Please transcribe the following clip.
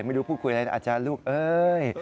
ไม่รู้พูดคุยอะไรนะอาจารย์ลูกเอ้ย